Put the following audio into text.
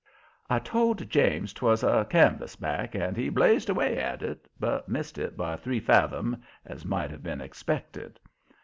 I told James 'twas a canvasback, and he blazed away at it, but missed it by three fathom, as might have been expected.